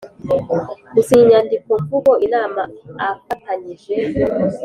Gusinya inyandikomvugoz inama afatanyije